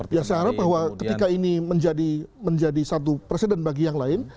ya saya harap bahwa ketika ini menjadi satu presiden bagi yang lain